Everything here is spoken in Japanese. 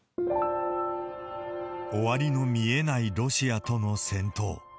終わりの見えないロシアとの戦闘。